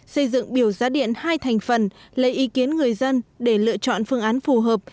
xây dựng biểu giá điện hai thành phần lấy ý kiến người dân để lựa chọn phương án phù hợp